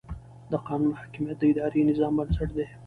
د قانون حاکمیت د اداري نظام بنسټ دی.